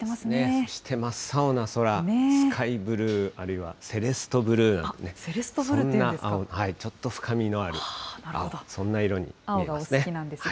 そして真っ青な空、スカイブルー、あるいはセレストブルーなんてね、そんな青、ちょっと深みのある青、そんな色ですね。